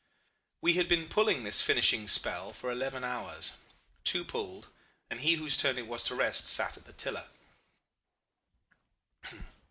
"We had been pulling this finishing spell for eleven hours. Two pulled, and he whose turn it was to rest sat at the tiller.